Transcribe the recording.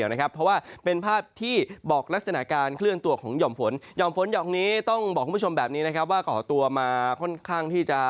อ้าวเพลืองหนึ่ง